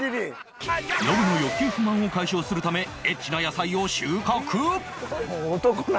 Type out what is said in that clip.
ノブの欲求不満を解消するためエッチな野菜を収穫！